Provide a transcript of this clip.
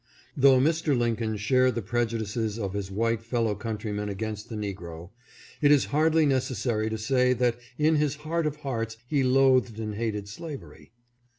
Though Mr. Lincoln shared the prejudices of his white fellow countrymen against the negro, it is hardly necessary to say that in his heart of hearts he loathed and hated slavery.